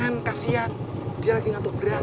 man kasian dia lagi ngatok beran